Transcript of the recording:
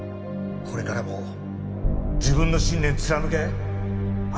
これからも自分の信念貫け新！